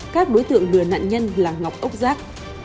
các đối tượng lừa nạn nhân là ngọc ốc giác